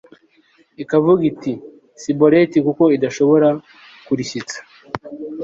ikavuga iti Siboleti kuko idashobora kurishyitsa